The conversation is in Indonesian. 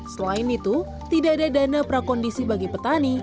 selain itu tidak ada dana prakondisi bagi petani